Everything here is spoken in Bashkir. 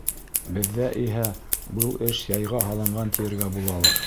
Беҙҙә иһә был эш яйға һалынған тиергә булалыр.